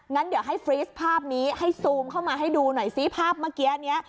งั้นเดี๋ยวให้ฟรีสภาพนี้ให้ซูมเข้ามาให้ดูหน่อยซิภาพเมื่อกี้นี้